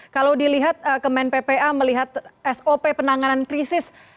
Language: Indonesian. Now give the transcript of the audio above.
kalau dilihat kemen ppa melihat sop penanganan krisis